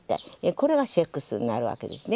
これがセックスになるわけですね。